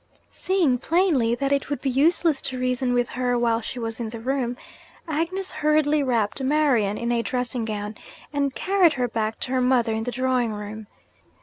Seeing plainly that it would be useless to reason with her while she was in the room, Agnes hurriedly wrapped Marian in a dressing gown, and carried her back to her mother in the drawing room.